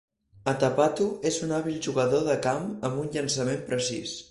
Atapattu és un hàbil jugador de camp amb un llançament precís.